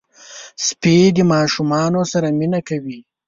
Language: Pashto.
سپي د ماشومانو سره مینه کوي.